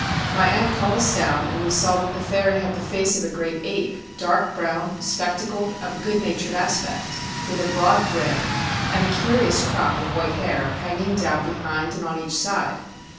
My aunt called us down; and we saw that the fairy had the face of a great ape, dark brown, spectacled, of a good natured aspect, with a broad grin, and a curious crop of white hair, hanging down behind and on each side.